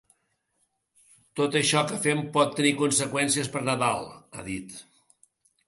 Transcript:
“Tot això que fem pot tenir conseqüències per Nadal”, ha dit.